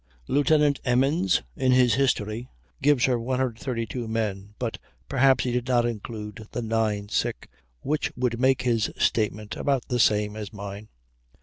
Lieutenant Emmons in his "History," gives her 132 men; but perhaps he did not include the nine sick, which would make his statement about the same as mine.